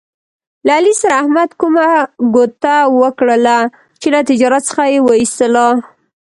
له علي سره احمد کومه ګوته وکړله، چې له تجارت څخه یې و ایستلا.